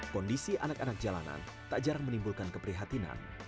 kondisi anak anak jalanan tak jarang menimbulkan keprihatinan